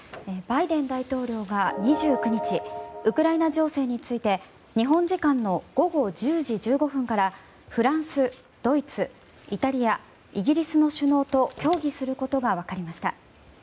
バイデン大統領が２９日ウクライナ情勢について日本時間の午後１０時１５分からフランス、ドイツイタリア、イギリスの首脳と協議することが分かりました。